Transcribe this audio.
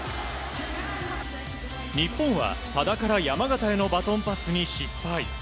日本は多田から山縣へのバトンパスに失敗。